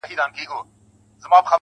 ستا د غرور حسن ځوانۍ په خـــاطــــــــر,